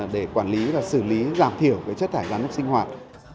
để quản lý và xử lý giảm thiểu về chất thải rắn sinh hoạt